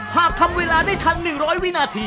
หากทำเวลาได้ทัน๑๐๐วินาที